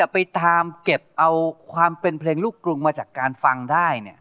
ไปตามเก็บเอาความเป็นเพลงลูกกรุงมาจากการฟังได้